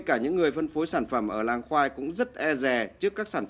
bằng nhanh chóng bỏ qua